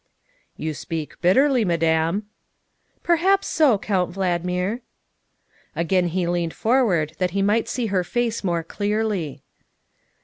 '' You speak bitterly, Madame. '''' Perhaps so, Count Valdmir. '' Again he leaned forward that he might see her face more clearly.